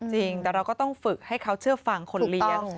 จริงแต่เราก็ต้องฝึกให้เขาเชื่อฟังคนเลี้ยง